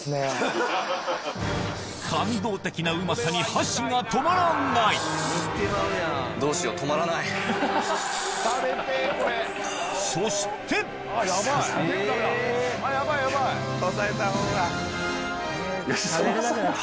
感動的なうまさに箸が止まらないそして吉沢さん。